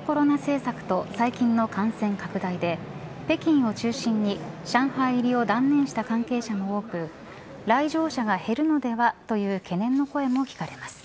政策と最近の感染拡大で北京を中心に、上海入りを断念した関係者も多く来場者が減るのではという懸念の声も聞かれます。